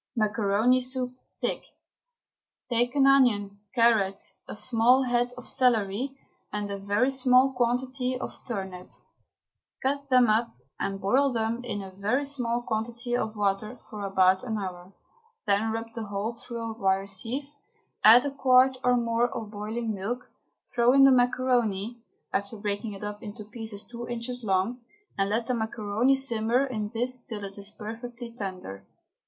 MACARONI SOUP (THICK). Take an onion, carrot, a small head of celery and a very small quantity of turnip; cut them up and boil them in a very small quantity of water for about an hour. Then rub the whole through a wire sieve, add a quart or more of boiling milk, throw in the macaroni, after breaking it up into pieces two inches long, and let the macaroni simmer in this till it is perfectly tender.